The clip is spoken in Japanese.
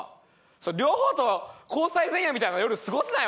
両方と交際前夜みたいな夜過ごすなよ！